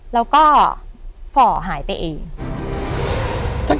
แล้วก็ฝ่อหายไปเอง